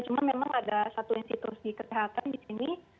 cuma memang ada satu institusi kesehatan di sini